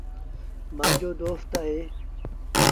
مآݩجو دوست اهي۔